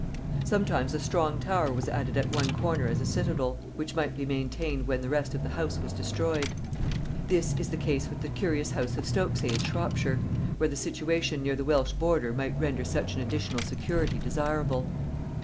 Sometimes a strong tower was added at one corner as a citadel, which might be maintained when the rest of the house was destroyed. This is the case with the curious house of Stoke Say in Shropshire, where the situation near the Welsh border might render such an additional security desirable.